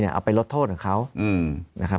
เอาไปลดโทษของเขานะครับ